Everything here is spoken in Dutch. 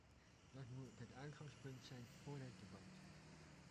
Dat moet het uitgangspunt zijn voor het debat.